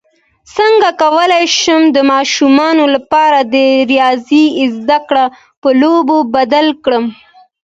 څنګه کولی شم د ماشومانو لپاره د ریاضي زدکړه په لوبو بدله کړم